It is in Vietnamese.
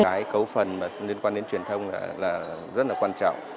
cái cấu phần mà liên quan đến truyền thông là rất là quan trọng